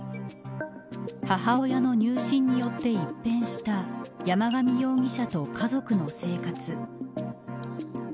母親の入信によって一変した山上容疑者と家族の生活。